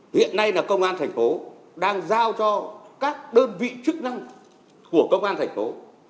hiện nay là công an thành phố đang giao cho các đơn vị chức năng của công an thành phố